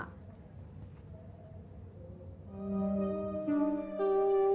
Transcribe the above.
kita lihat bersama